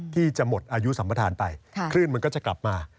ที่จะหมดอายุสัมประธานไปคลื่นมันก็จะกลับมา